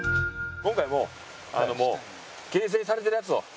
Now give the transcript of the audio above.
今回もう形成されてるやつを。